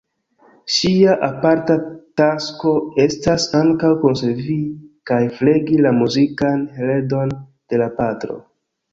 Ŝia aparta tasko estas ankaŭ konservi kaj flegi la muzikan heredon de la patro.